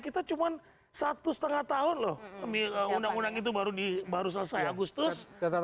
kita cuma satu setengah tahun loh undang undang itu baru selesai agustus dua ribu tujuh belas